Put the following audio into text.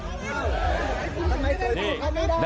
ทำไมเกิดต่อมาไม่ได้นี่